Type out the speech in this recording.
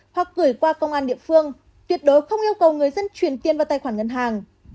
hoặc gửi qua công an địa phương tuyệt đối không yêu cầu người dân chuyển tiền vào tài khoản ngân hàng